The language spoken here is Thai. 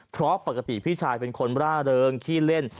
เพราะปกติพี่ชายเป็นคนร่าเริงขี้เล่น